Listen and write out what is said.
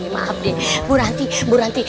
maaf deh ibu ranti ibu ranti